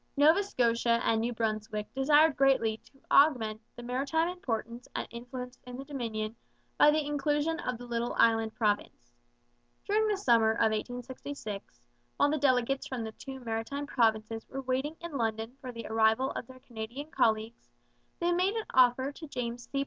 Nova Scotia and New Brunswick desired greatly to augment the maritime importance and influence in the Dominion by the inclusion of the little island province. During the summer of 1866, while the delegates from the two maritime provinces were waiting in London for the arrival of their Canadian colleagues, they made an offer to James C.